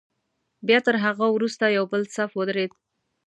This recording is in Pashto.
بیا تر هغه وروسته یو بل صف ودرېد.